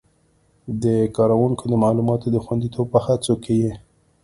د کاروونکو د معلوماتو د خوندیتوب په هڅو کې یې